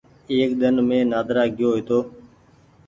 ايڪ ۮن مين نآدرا گئيو هيتو۔